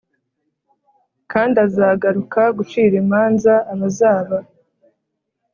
kand'azagaruka gucir'imanza abazaba